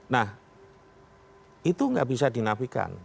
nah itu gak bisa dinapikan